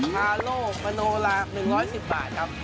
ทาโล่มโนละ๑๑๐บาทครับ